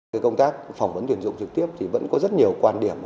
cái công tác phỏng vấn tuyển dụng trực tiếp thì vẫn có rất nhiều quan điểm